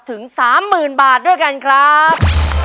ถึง๓๐๐๐บาทด้วยกันครับ